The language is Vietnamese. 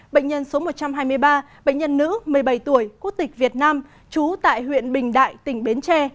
bệnh nhân số một trăm hai mươi ba bệnh nhân nữ một mươi bảy tuổi quốc tịch việt nam trú tại huyện bình đại tỉnh bến tre